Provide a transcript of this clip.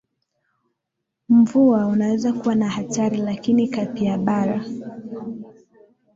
mvua unaweza kuwa na hatari lakini capybara